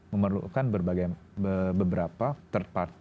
memerlukan beberapa third party